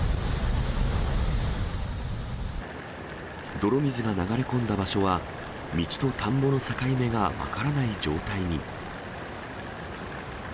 泥水が流れ込んだ場所は、道と田んぼの境目が分からない状態に。